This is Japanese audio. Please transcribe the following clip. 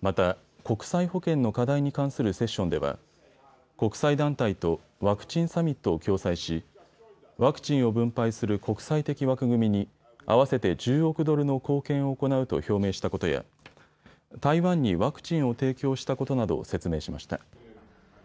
また国際保健の課題に関するセッションでは国際団体とワクチンサミットを共催しワクチンを分配する国際的枠組みに合わせて１０億ドルの貢献を行うと表明したことや台湾にワクチンを提供したことなどを説明しました。